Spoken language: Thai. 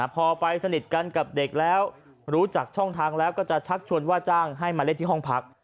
พอไปสนิทกันกับเด็กแล้วรู้จักช่องทางแล้วก็จะชักชวนว่าจ้างให้มาเล่นที่ห้องพัก